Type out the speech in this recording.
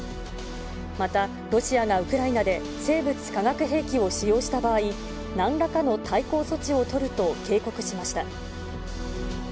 また、ロシアがウクライナで、生物・化学兵器を使用した場合、なんらかの対抗措置を取ると警告しました。